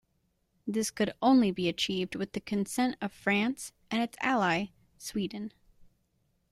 This could only be achieved with the consent of France and its ally Sweden.